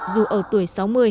dù ở tuổi sáu mươi